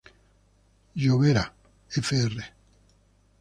Llobera", "Fr.